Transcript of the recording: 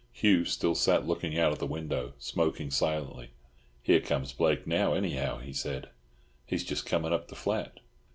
Hugh still sat looking out of the window, smoking silently. "Here comes Blake now, anyhow," he said. "He's just coming up the flat."